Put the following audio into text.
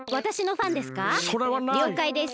りょうかいです。